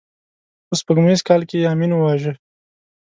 په سپوږمیز کال کې یې امین وواژه.